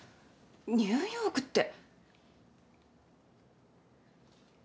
ニューヨークって。